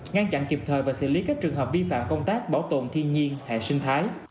ngăn chặn kịp thời và xử lý các trường hợp vi phạm công tác bảo tồn thiên nhiên hệ sinh thái